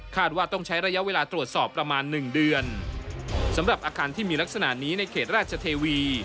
ว่าต้องใช้ระยะเวลาตรวจสอบประมาณหนึ่งเดือนสำหรับอาคารที่มีลักษณะนี้ในเขตราชเทวี